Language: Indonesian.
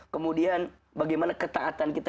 kemudian bagaimana ketaatan kita